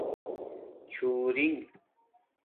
چُھݸرنگ